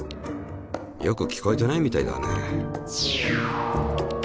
よく聞こえてないみたいだね。